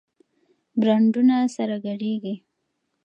برانډونه سره ګډېږي.